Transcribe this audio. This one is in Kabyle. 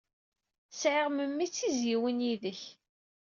Sɛiɣ memmi d tizzyiwin yid-k.